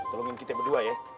tolongin kita berdua ya